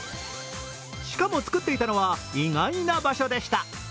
しかも、作っていたのは意外な場所でした。